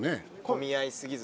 混み合い過ぎず。